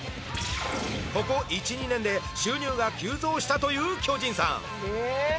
ここ１２年で収入が急増したという巨人さん